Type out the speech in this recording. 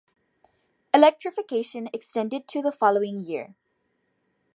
Electrification extended to the following year.